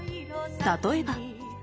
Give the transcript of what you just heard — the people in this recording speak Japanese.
例えば。